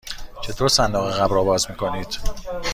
چطور صندوق عقب را باز می کنید؟